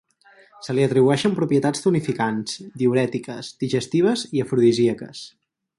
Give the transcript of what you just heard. Se li atribueixen propietats tonificants, diürètiques, digestives i afrodisíaques.